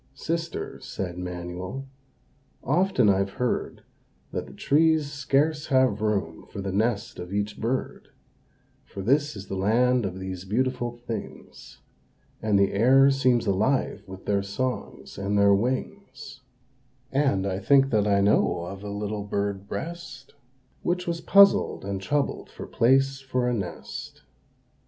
"Sister," said Manuel, "often I've heard, That the trees scarce have room for the nest of each bird; For this is the land of these beautiful things, And the air seems alive with their songs and their wings; And I think that I know of a little bird breast, Which was puzzled and troubled for place for a nest."